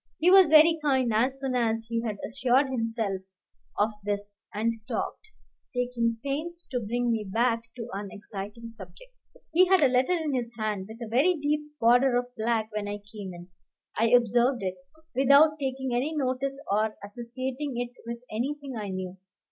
He was very kind as soon as he had assured himself of this, and talked, taking pains to bring me back to unexciting subjects. He had a letter in his hand with a very deep border of black when I came in. I observed it, without taking any notice or associating it with anything I knew.